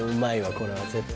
これは絶対。